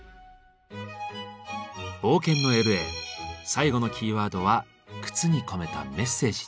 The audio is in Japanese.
冒険のＬ．Ａ．最後のキーワードは「靴に込めたメッセージ」。